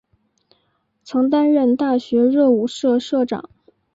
曾担任大学热舞社社长。